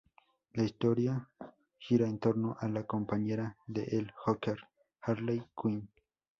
La historia gira en torno a la compañera de El Joker, Harley Quinn.